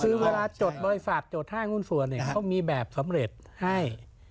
คือเวลาจดบริษัทจดห้างหุ้นส่วนเขามีแบบสำเร็จให้